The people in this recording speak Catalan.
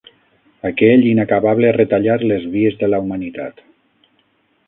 Aquell inacabable retallar les vies de la humanitat